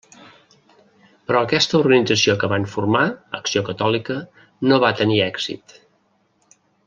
Però aquesta organització que van formar, Acció Catòlica, no va tenir èxit.